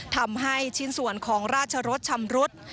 ทำให้ชิ้นส่วนของราชรสชำรุด